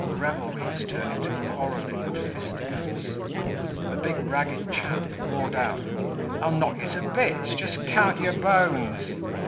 Revelry was turning to quarreling and fisticuffs. A big ragged chap roared out, "I'll knock yer to bits; just count yer bones."